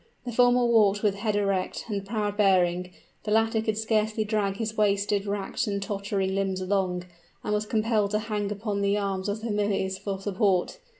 The former walked with head erect, and proud bearing; the latter could scarcely drag his wasted, racked, and tottering limbs along, and was compelled to hang upon the arms of the familiars for support.